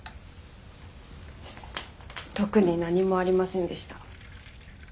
特に何もありませんでした。